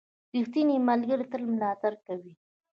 • ریښتینی ملګری تل ملاتړ کوي.